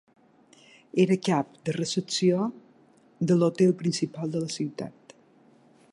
Era cap de recepció de l'hotel principal de la ciutat.